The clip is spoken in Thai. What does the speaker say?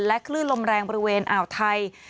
คลื่นลมแรงบริเวณอ่าวไทย